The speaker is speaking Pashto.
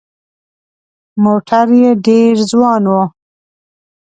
موټر یې ډېر ځوان و.